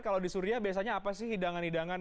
kalau di suria biasanya apa sih hidangan hidangan